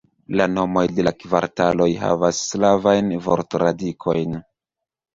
La nomoj de kvartaloj havas slavajn vortradikojn.